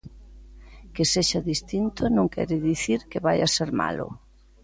Que sexa distinto non quere dicir que vaia ser malo.